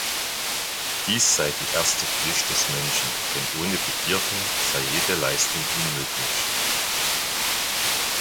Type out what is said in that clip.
Dies sei die erste Pflicht des Menschen, denn ohne Begierde sei jede Leistung unmöglich.